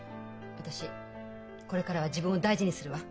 私これからは自分を大事にするわ。